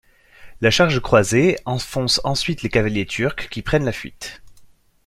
La charge croisée enfonce ensuite les cavaliers turcs qui prennent la fuite.